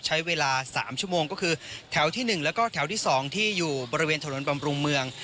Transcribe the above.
ใช้เวลา๓ชั่วโมงก็คือที่๑และ๒ที่อยู่บริเวณถนนบำรุงเมือง